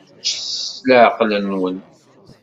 Ččet s leɛqel-nwen.